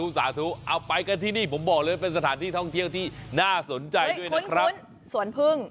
สาธุเอาไปกันที่นี่ผมบอกเลยเป็นสถานที่ท่องเที่ยวที่น่าสนใจด้วยนะครับสวนพึ่ง